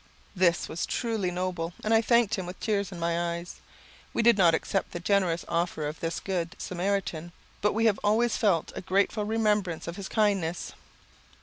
This was truly noble, and I thanked him with tears in my eyes. We did not accept the generous offer of this good Samaritan; but we have always felt a grateful remembrance of his kindness.